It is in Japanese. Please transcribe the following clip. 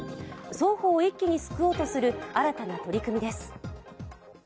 双方を一気に救おうとする新たな取り組みです。